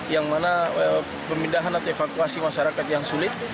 yang mana pemindahan atau evakuasi masyarakat yang sulit